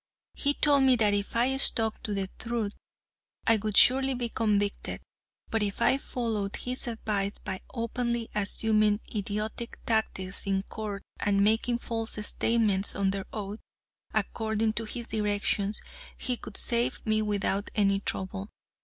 He told me that if I stuck to the truth I would surely be convicted, but if I followed his advice by openly assuming idiotic tactics in court and making false statements under oath, according to his directions, he could save me without any trouble.